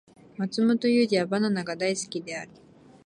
マツモトユウジはバナナが大好きである